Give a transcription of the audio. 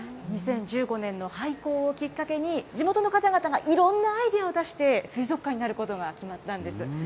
２０１５年の廃校をきっかけに、地元の方々がいろんなアイデアを出して、水族館になることが決まったんです。